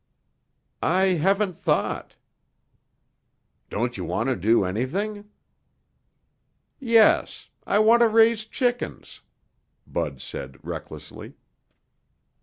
"I haven't thought." "Don't you want to do anything?" "Yes. I want to raise chickens," Bud said recklessly.